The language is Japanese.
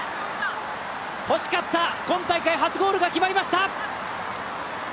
ほしかった今大会初ゴールが決まりました！